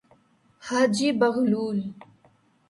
حاجی بغلول